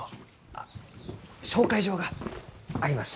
あっ紹介状があります。